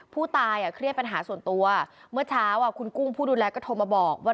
ผู้ตายเครียดปัญหาส่วนตัวเมื่อเช้าคุณกุ้งผู้ดูแลก็โทรมาบอกว่า